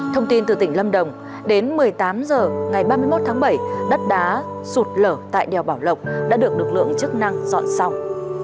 thông tin từ tỉnh lâm đồng đến một mươi tám h ngày ba mươi một tháng bảy đất đá sụt lở tại đèo bảo lộc đã được lực lượng chức năng dọn xong